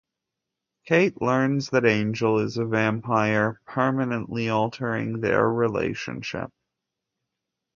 Kate learns that Angel is a vampire, permanently altering their relationship.